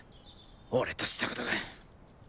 俺としたことが。